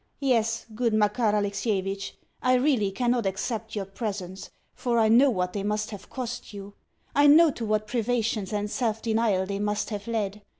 Yes, good Makar Alexievitch, I really cannot accept your presents, for I know what they must have cost you I know to what privations and self denial they must have led.